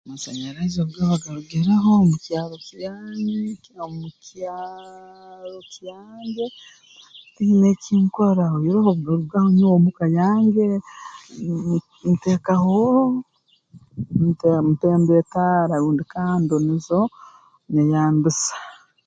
Amasanyarazi obu gaba garugireho omu kyaro kyanyu omu kyaaro kyange tinyine eki nkora oihireho obugarugahoo nyowe omuka yange mm mm nteekaho nte mpemba etaara rundi kando nizo nyeyambisa